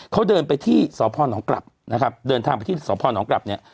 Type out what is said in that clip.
เขาเดินไปที่สพนกลับนะครับเดินทางไปที่สพนกลับเนี่ย